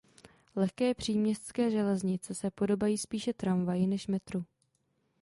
Lehké příměstské železnice se podobají spíše tramvaji než metru.